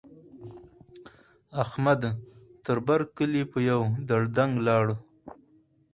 احمد؛ تر بر کلي په يوه دړدنګ ولاړ.